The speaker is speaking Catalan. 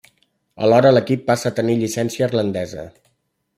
Alhora l'equip passa a tenir llicència irlandesa.